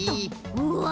うわ！